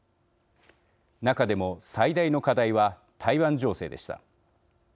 中でも、最大の課題は台湾情勢でした。